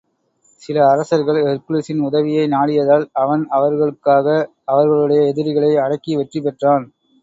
சில அரசர்கள் ஹெர்க்குலிஸின் உதவியை நாடியதால், அவன் அவர்களுக்காக அவர்களுடைய எதிரிகளை அடக்கி வெற்றி பெற்றான்.